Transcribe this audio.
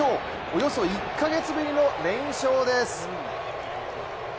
およそ１カ月ぶりの連勝です！